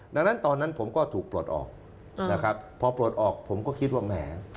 ดังนั้นตอนนั้นผมก็ถูกปลดออกนะครับพอปลดออกผมก็คิดว่าแหม